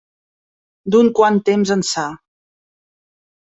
D'un quant temps ençà.